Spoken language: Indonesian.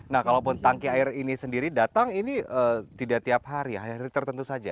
nah kalaupun tanki air ini sendiri datang ini tidak tiap hari ya hari hari tertentu saja